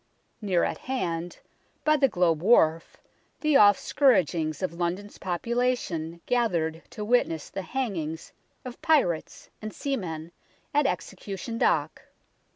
Near at hand, by the Globe Wharf, the off scour ings of London's population gathered to witness the hangings of pirates and seamen at Execution Dock.